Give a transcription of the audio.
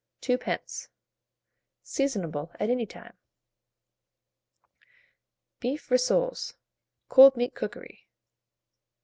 Seasonable at any time. BEEF RISSOLES (Cold Meat Cookery).